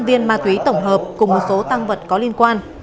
bốn trăm linh viên ma túy tổng hợp cùng một số tăng vật có liên quan